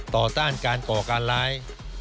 ต้านการก่อการร้าย